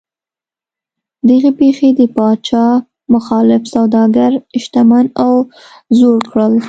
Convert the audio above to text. دغې پېښې د پاچا مخالف سوداګر شتمن او زړور کړل.